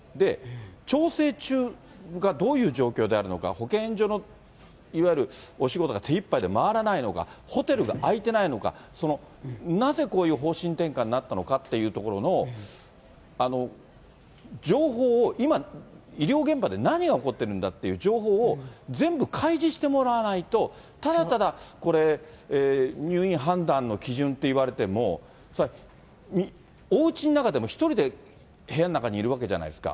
調整中がどういう状況であるのか、保健所のいわゆるお仕事が、手いっぱいで回らないのか、ホテルが空いてないのか、なぜこういう方針転換になったのかというところの情報を今、医療現場で何が起こってるんだっていう情報を、全部開示してもらわないと、ただただ、これ、入院判断の基準っていわれても、おうちの中でも１人で部屋の中にいるわけじゃないですか。